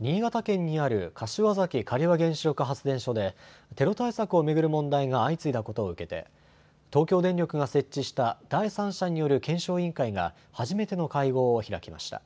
新潟県にある柏崎刈羽原子力発電所でテロ対策を巡る問題が相次いだことを受けて東京電力が設置した第三者による検証委員会が初めての会合を開きました。